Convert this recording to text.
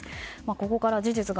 ここから事実が